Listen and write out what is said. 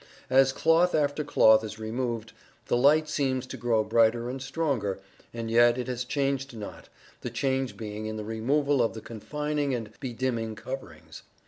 As cloth after cloth is removed, the light seems to grow brighter and stronger, and yet it has changed not, the change being in the removal of the confining and bedimming coverings.